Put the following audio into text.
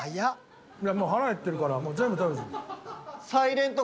もう腹へってるから全部食べちゃった。